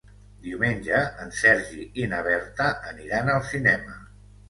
Diumenge en Sergi i na Berta aniran al cinema.